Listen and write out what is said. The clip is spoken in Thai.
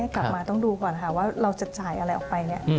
กลับมาต้องดูก่อนค่ะว่าเราจะจ่ายอะไรออกไป